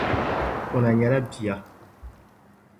O na nyɛla bia.